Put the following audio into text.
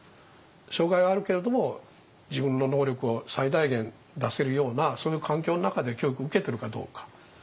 障害はあるけれども自分の能力を最大限出せるようなそういう環境の中で教育を受けてるかどうか。